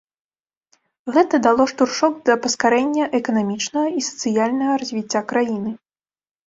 Гэта дало штуршок да паскарэння эканамічнага і сацыяльнага развіцця краіны.